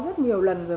rất nhiều lần rồi